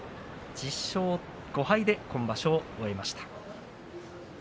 １０勝５敗で今場所を終えました。